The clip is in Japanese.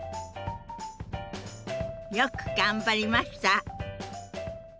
よく頑張りました！